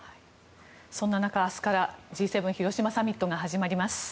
そんな中明日からＧ７広島サミットが始まります。